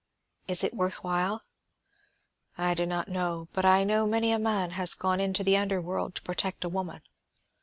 Is it worth while? I do not know, but I know many a man has gone into the underworld to protect a woman.